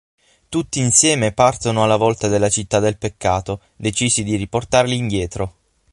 Tutti insieme, partono alla volta della città del peccato, decisi di riportarli indietro.